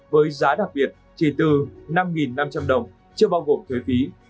với giá đặc biệt chỉ từ năm năm trăm linh đồng chưa bao gồm thuế phí